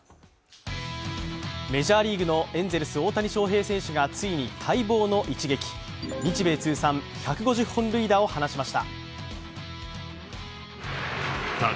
メジャーリーグのエンゼルス・大谷翔平選手がついに待望の一撃、日米通算１５０本塁打を放ちました。